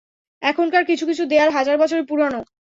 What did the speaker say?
এখানকার কিছু কিছু দেয়াল হাজার বছরের পুরানো।